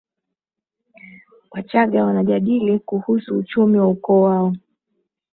wachaga wanajadili kuhusu uchumi wa ukoo wao